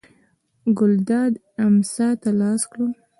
ګلداد امسا ته لاس کړ.